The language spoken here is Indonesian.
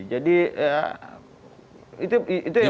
jadi itu yang menjadi agak agak